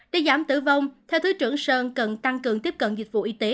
để giảm tử vong theo thứ trưởng sơn cần tăng cường tiếp cận dịch vụ y tế